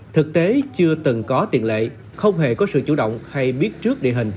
thực tế chưa từng có tiền lệ không hề có sự chủ động hay biết trước địa hình